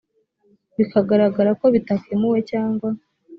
bikagaragara ko bitakemuwe cyangwa